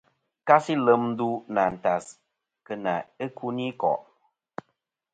Kasi lem ndu nɨ̀ àntas kena ikunikò'.